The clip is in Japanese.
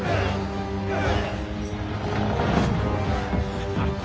ハハハハ！